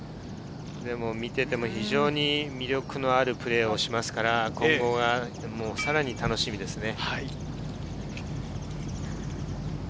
見ていても非常に魅力のあるプレーをしますから、今後がさらに楽しみですね。